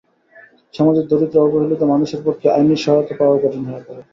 সমাজের দরিদ্র, অবহেলিত মানুষের পক্ষে আইনি সহায়তা পাওয়াও কঠিন হয়ে পড়ে।